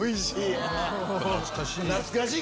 懐かしい。